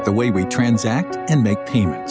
termasuk cara kita berpenggunaan dan membuat uang